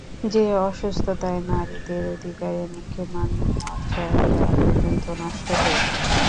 যে অসুস্থতায় নারীদের অধিকার, এমনকি মান মর্যাদা পর্যন্ত নষ্ট হয়ে যায়।